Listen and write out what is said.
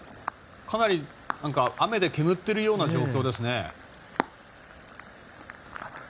かなり雨で煙っている状況ですね。